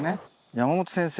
山本先生。